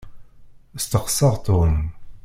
Steqseɣ Tom.